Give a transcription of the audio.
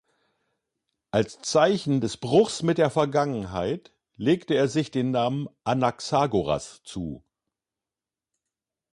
Als Zeichen des Bruchs mit der Vergangenheit legte er sich den Namen "Anaxagoras" zu.